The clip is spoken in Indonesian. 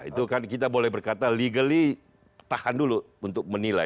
itu kan kita boleh berkata legally tahan dulu untuk menilai